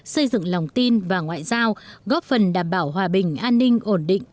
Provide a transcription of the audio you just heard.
xây dựng lòng tin và ngoại giao góp phần đảm bảo hòa bình an ninh ổn định